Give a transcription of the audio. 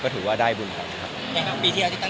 ก็ถือว่าได้บุญครับครับ